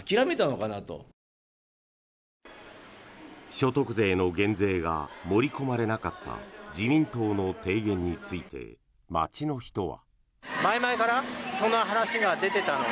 所得税の減税が盛り込まれなかった自民党の提言について街の人は。